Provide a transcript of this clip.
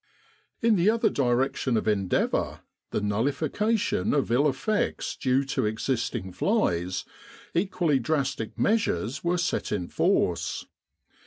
In the other direction of endeavour the nullifica tion of ill effects due to existing flies equally drastic measures were set in force.